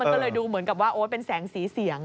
ก็เลยดูเหมือนกับว่าโอ๊ยเป็นแสงสีเสียง